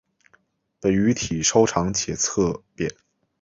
本鱼体稍长且侧扁。